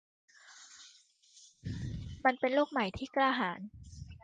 มันเป็นโลกใหม่ที่กล้าหาญ